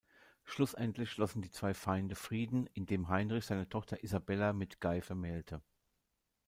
Schlussendlich schlossen die zwei Feinde Frieden, indem Heinrich seine Tochter Isabella mit Guy vermählte.